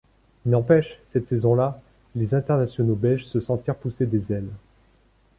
Il n'empêche, cette saison-là, les internationaux belges se sentirent pousser des ailes.